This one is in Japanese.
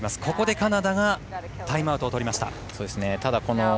ここでカナダがタイムアウトを取りました。